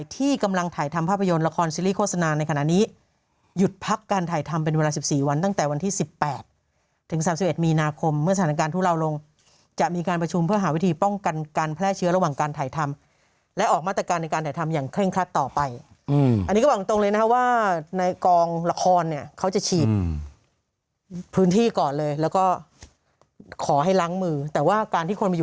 ที่กำลังถ่ายธรรมภาพยนตร์ละครซีรีส์โฆษณาในขณะนี้หยุดพักการถ่ายธรรมเป็นเวลา๑๔วันตั้งแต่วันที่๑๘๓๑มีนาคมเมื่อสถานการณ์ทุลาวลงจะมีการประชุมเพื่อหาวิธีป้องกันการแพร่เชื้อระหว่างการถ่ายธรรมและออกมาตรการในการถ่ายธรรมอย่างเคร่งคลัดต่อไปอันนี้ก็วางตรงเลยนะฮะว่า